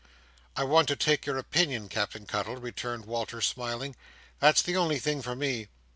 "I want to take your opinion, Captain Cuttle," returned Walter, smiling. "That's the only thing for me."